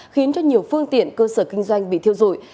khiến cho nhiều phương tiện cơ sở kinh doanh bị thiêu dụi